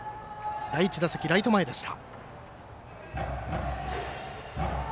第１打席、ライト前でした。